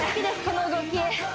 この動き